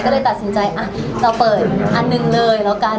ก็เลยตัดสินใจอ่ะเราเปิดอันหนึ่งเลยแล้วกัน